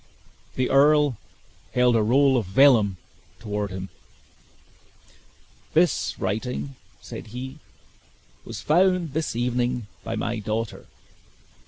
The earl held a roll of vellum toward him. "This writing," said he, "was found this evening by my daughter.